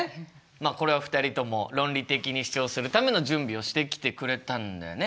これは２人とも論理的に主張するための準備をしてきてくれたんだよね。